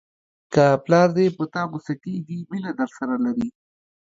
که پلار دې په تا غوسه کېږي مینه درسره لري.